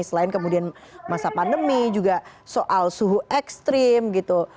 selain kemudian masa pandemi juga soal suhu ekstrim gitu